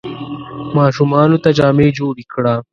ماشومانو ته جامې جوړي کړه !